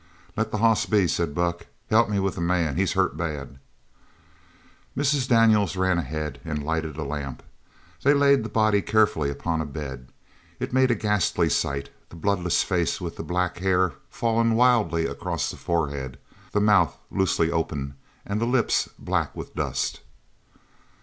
"Let the hoss be," said Buck. "Help me with the man. He's hurt bad." Mrs. Daniels ran ahead and lighted a lamp. They laid the body carefully upon a bed. It made a ghastly sight, the bloodless face with the black hair fallen wildly across the forehead, the mouth loosely open, and the lips black with dust.